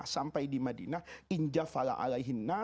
sampai di madinah